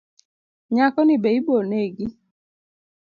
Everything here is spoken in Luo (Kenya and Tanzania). Nyako ni be ibo negi